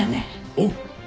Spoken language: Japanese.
おう。